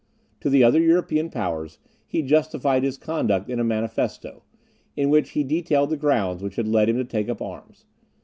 To the other European powers, he justified his conduct in a manifesto, in which he detailed the grounds which had led him to take up arms.